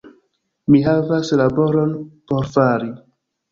Mi havas laboron por fari